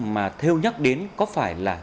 mà thêu nhắc đến có phải là